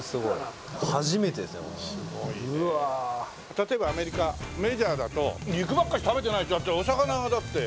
例えばアメリカメジャーだと肉ばっかし食べてないだってお魚がだって。